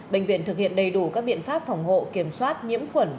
bệnh viện thực hiện đầy đủ các biện pháp phòng hộ kiểm soát nhiễm khuẩn